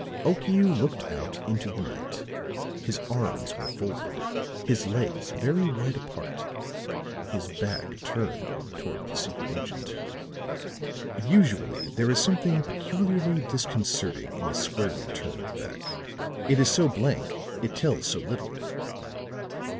Okiu looked out into the night; his arms were folded, his legs very wide apart, his back turned toward the secret agent. Usually there is something peculiarly disconcerting in a squarely turned back; it is so blank, it tells so little.